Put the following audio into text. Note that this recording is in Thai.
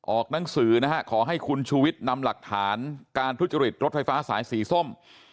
หนังสือนะฮะขอให้คุณชูวิทย์นำหลักฐานการทุจริตรถไฟฟ้าสายสีส้ม